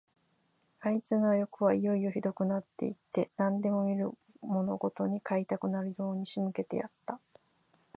あいつのよくはいよいよひどくなって行って、何でも見るものごとに買いたくなるように仕向けてやった。